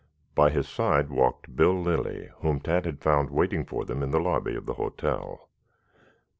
By his side walked Bill Lilly, whom Tad had found waiting for them in the lobby of the hotel.